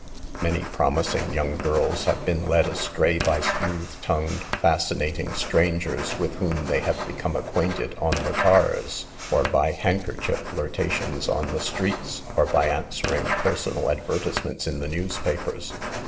197 Many promising young girls have been led astray by smooth tongued, fascinating strangers with whom they have become acquainted on the cars, or by u handkerchief flirtations" on the streets, or by answering " personal" adver tisements in the newspapers.